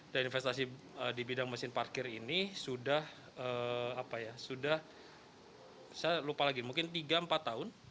dan investasi di bidang mesin parkir ini sudah apa ya sudah saya lupa lagi mungkin tiga empat tahun